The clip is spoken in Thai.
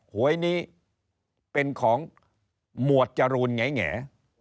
หวยนี้เป็นของหมวดจรูนแง่